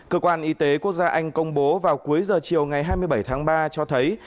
cơ quan y tế quốc gia anh công bố vào cuối giờ chiều ngày hai mươi bảy tháng ba cho thấy